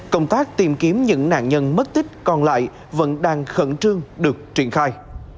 công tác tìm kiếm những nạn nhân mất tích còn lại vẫn đang khẩn trương được triển khai